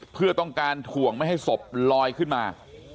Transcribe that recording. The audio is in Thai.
เพื่อต้องการถ่วงไม่ให้ศพลอยขึ้นมา